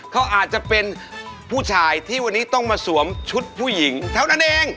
เขาอาจจะเป็นผู้ชายที่วันนี้ต้องมาสวมชุดผู้หญิงเท่านั้นเอง